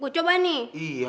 buka bani iya